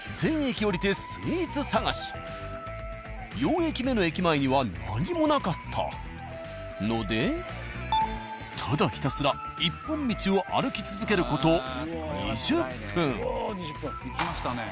４駅目の駅前には何もなかったのでただひたすら一本道を歩き続ける事２０分。